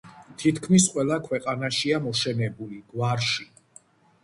თითქმის ყველა ქვეყანაშია მოშენებული. გვარში